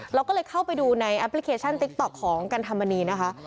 เราก็เลยเข้าไปดูในแอปพลิเคชันติ๊กต๊อกของกันธรรมนีนะคะ